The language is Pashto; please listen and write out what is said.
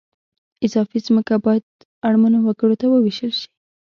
اضافي ځمکه باید اړمنو وګړو ته ووېشل شي